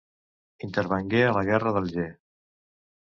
Intervengué a la guerra d'Alger.